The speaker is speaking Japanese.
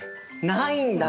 ないんだ！？